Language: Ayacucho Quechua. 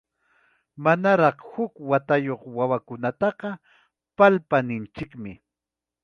Manaraq huk watayuq wawakunataqa, pallpa ninchikmi.